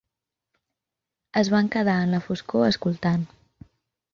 Es van quedar en la foscor escoltant.